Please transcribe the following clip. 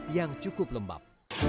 yang cukup lembab